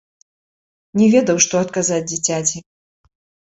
Не ведаў, што адказаць дзіцяці.